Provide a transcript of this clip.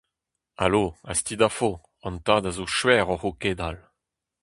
Alo, hastit afo, hon tad a zo skuizh oc'h ho kedal.